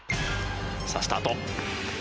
さあスタート。